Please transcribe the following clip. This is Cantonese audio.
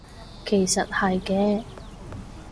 其實係嘅